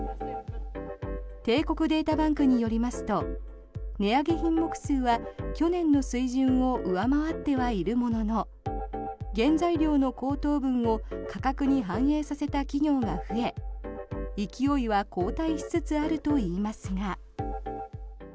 帝国データバンクによりますと値上げ品目数は去年の水準を上回ってはいるものの原材料の高騰分を価格に反映させた企業が増え勢いは後退しつつあるといいますが。